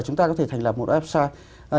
chúng ta có thể thành lập một website